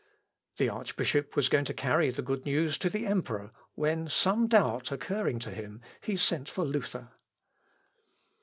The archbishop was going to carry the good news to the emperor, when some doubt occurring to him, he sent for Luther.